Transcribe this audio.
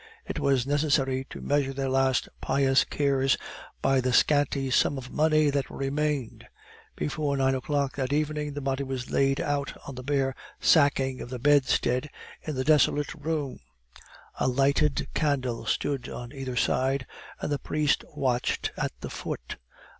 It was necessary to measure their last pious cares by the scanty sum of money that remained. Before nine o'clock that evening the body was laid out on the bare sacking of the bedstead in the desolate room; a lighted candle stood on either side, and the priest watched at the foot.